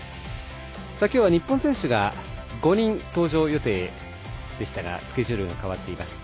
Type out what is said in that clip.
今日は日本選手が５人登場予定でしたがスケジュールが変わっています。